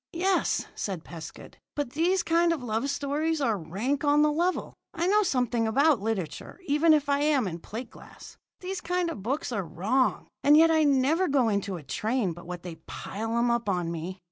"Yes," said Pescud, "but these kind of love stories are rank on the level. I know something about literature, even if I am in plate glass. These kind of books are wrong, and yet I never go into a train but what they pile 'em up on me.